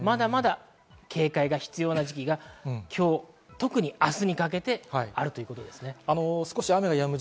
警戒が必要な時期が今日、明日にかけてあるということです。